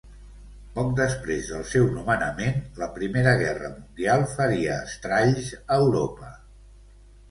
Poc després del seu nomenament, la Primera Guerra Mundial faria estralls a Europa.